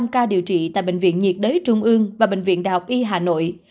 ba trăm bốn mươi năm ca điều trị tại bệnh viện nhiệt đới trung ương và bệnh viện đại học y hà nội